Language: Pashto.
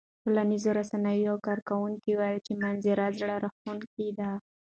ټولنیزو رسنیو یو کاروونکي وویل چې منظره زړه راښکونکې ده.